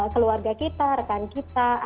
keluarga kita rekan kita